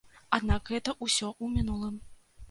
Аднак гэта ўсё ў мінулым.